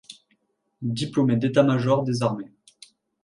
Diplômé d ́état-major des armées.